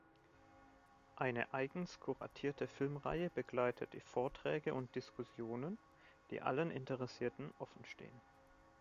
Eine eigens kuratierte Filmreihe begleitet die Vorträge und Diskussionen, die allen Interessierten offenstehen.